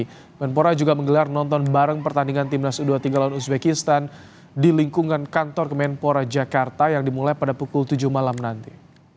kementerian pemuda dan olahraga juga menggelar nonton bareng pertandingan tim nas u dua puluh tiga lawan uzbekistan di lingkungan kantor kementerian pemuda dan olahraga jakarta yang dimulai pada pukul tujuh malam nanti